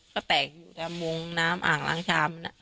ก็แตกอยู่แถมมุงน้ำอ่างล้างชามมันอ่ะ